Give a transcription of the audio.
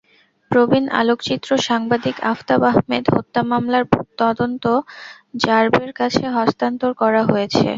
প্রবীণ আলোকচিত্র সাংবাদিক আফতাব আহমেদ হত্যা মামলার তদন্ত র্যাবের কাছে হস্তান্তর করা হয়েছে।